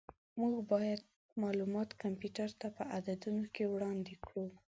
موږ باید معلومات کمپیوټر ته په عددونو کې وړاندې کړو.